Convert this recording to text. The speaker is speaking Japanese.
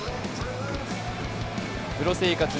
プロ生活